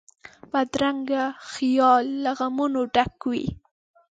بدرنګه خیال له غمونو ډک وي